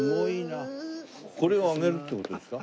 これを上げるって事ですか？